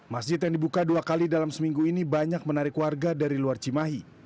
masjid yang dibuka dua kali dalam seminggu ini banyak menarik warga dari luar cimahi